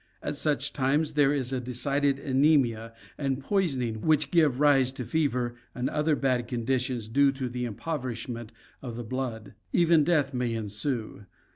At such times there is a decided anemia and poisoning which give rise to fever and other bad conditions due to the impoverishment of the blood. Even death may ensue.